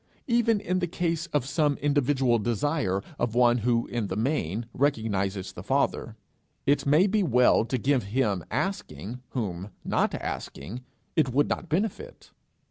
Even in the case of some individual desire of one who in the main recognizes the Father, it may be well to give him asking whom, not asking, it would not benefit.